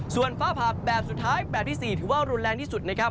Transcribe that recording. ส่วนฟ้าผับแบบสุดท้ายแบบที่๔ถือว่ารุนแรงที่สุดนะครับ